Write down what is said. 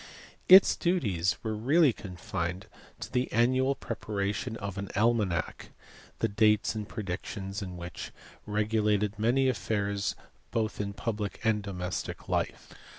Its duties were really confined to the annual preparation of an almanadk, the dates and predictions in which regulated many affairs both in public and domestic life.